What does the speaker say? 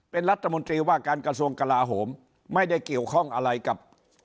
เป็นรัฐมนตรีว่าการกระทรวงกลาโหมไม่ได้เกี่ยวข้องอะไรกับ